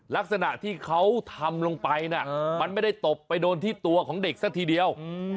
ลักษณะที่เขาทำลงไปน่ะมันไม่ได้ตบไปโดนที่ตัวของเด็กซะทีเดียว